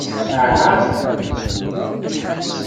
Aɛa?